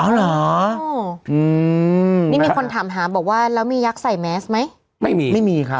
เหรออืมนี่มีคนถามหาบอกว่าแล้วมียักษ์ใส่แมสไหมไม่มีไม่มีครับ